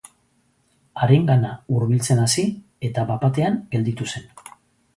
Harengana hurbiltzen hasi, eta, bat-batean, gelditu zen.